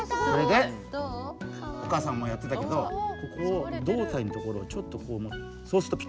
それでお母さんもやってたけどここの胴体のところをちょっとこう持つ。